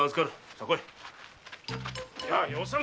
さあ来い。